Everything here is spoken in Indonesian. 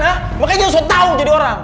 makanya jangan usah tau jadi orang